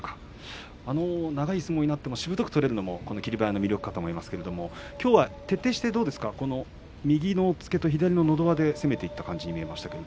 長い相撲になってもしぶとく取れるのも霧馬山の魅力だと思いますがきょうは徹底して右の押っつけと左ののど輪で攻めていったように見えました。